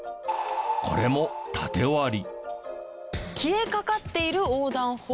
これもタテ割り。